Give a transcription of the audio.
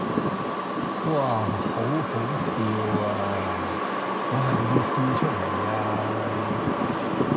嘩！好好笑呀！我係咪要笑出嚟呀